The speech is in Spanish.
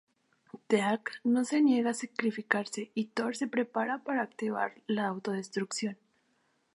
Teal'c, no se niega a sacrificarse y Thor se prepara para activar la autodestrucción.